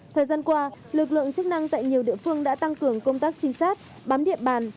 thời gian qua lực lượng chức năng tại nhiều địa phương đã tăng cường công tác trinh sát bám địa bàn